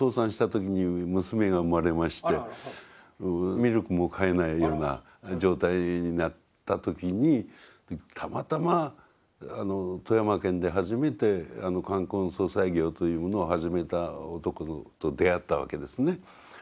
ミルクも買えないような状態になった時にたまたま富山県で初めて冠婚葬祭業というものを始めた男と出会ったわけですね。